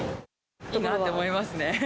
いいなと思いますね。